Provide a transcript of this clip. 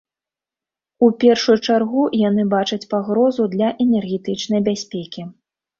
У першую чаргу яны бачаць пагрозу для энергетычнай бяспекі.